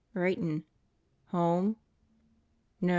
"WritinV "Home?" "No.